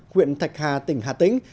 huyện thạch hà tỉnh hà tĩnh